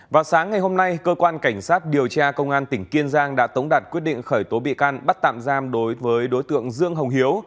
vào sáng ngày hôm nay cơ quan cảnh sát điều tra công an tỉnh kiên giang đã tống đạt quyết định khởi tố bị can bắt tạm giam đối với đối tượng dương hồng hiếu